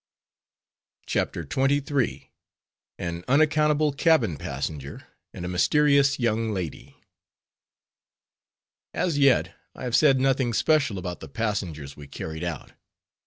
CHAPTER XXIII. AN UNACCOUNTABLE CABIN PASSENGER, AND A MYSTERIOUS YOUNG LADY As yet, I have said nothing special about the passengers we carried out.